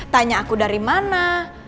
tanya aku dari mana